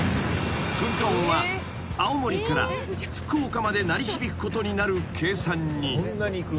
［噴火音は青森から福岡まで鳴り響くことになる計算に］